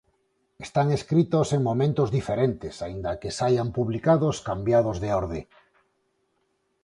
Están escritos en momentos diferentes aínda que saian publicados cambiados de orde.